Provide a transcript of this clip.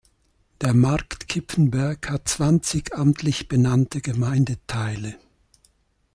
Der Markt Kipfenberg hat zwanzig amtlich benannte Gemeindeteile.